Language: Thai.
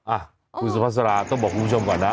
อ่ะคุณสุภาษาต้องบอกคุณผู้ชมก่อนนะ